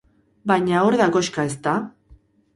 Baina hor da koxka, ezta?